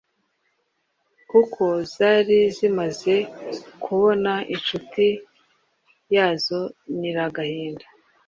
kuko zari zimaze kubona inshuti yazo Nyiragahinda